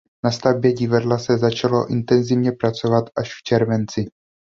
Na stavbě divadla se začalo intenzivně pracovat až v červenci.